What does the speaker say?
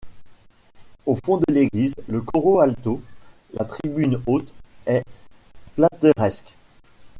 Au fond de l'église, le coro alto, la tribune haute, est plateresque.